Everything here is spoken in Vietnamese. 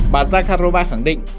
bà zakharova khẳng định